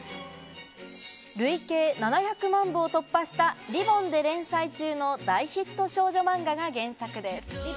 累計７００万部を突破した『りぼん』で連載中の大ヒット少女漫画が原作。